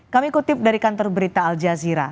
kami kutip dari kantor berita al jazeera